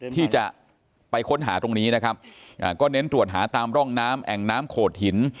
ที่จะไปค้นหาตรงนี้นะครับก็เน้นตรวจหาตามร่องน้ำแอ่งน้ำโขดหิน